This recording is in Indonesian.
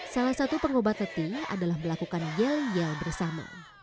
salah satu pengobat leti adalah melakukan yel yel bersama